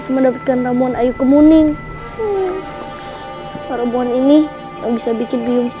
pada kalau orang dua sudah pada aerial